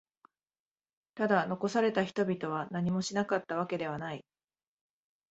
ただ、残された人々は何もしなかったわけではない。